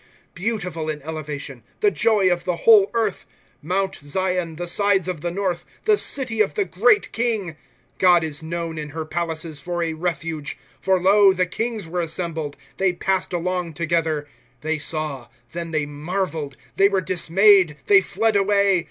* Beautiful in elevation, the joy of the whole earth, Mount Zion, the sides of the north. The city of the great King !' God is known in her palaces for a refuge. * For lo, the kings were assembled, They passed along together. * They saw ; then they marveled ; They wore dismayed, they fled away.